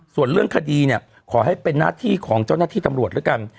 ส่วนเรื่องคดีเนี่ยขอให้เป็นหน้าที่ของเจ้าหน้าที่ตำรวจแล้วกัน